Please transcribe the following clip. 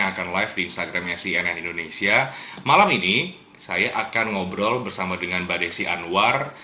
akan live di instagramnya cnn indonesia malam ini saya akan ngobrol bersama dengan mbak desi anwar